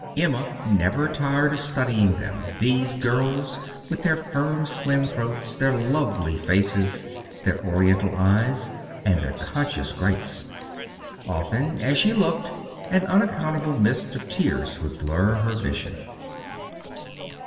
Emma never tired of studying them these girls with their firm, slim throats, their lovely faces, their Oriental eyes, and their conscious grace. Often, as she looked, an unaccountable mist of tears would blur her vision.